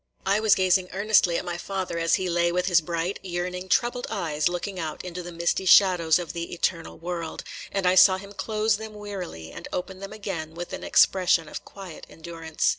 I was gazing earnestly at my father, as he lay with his bright, yearning, troubled eyes looking out into the misty shadows of the eternal world, and I saw him close them wearily, and open them again with an expression of quiet endurance.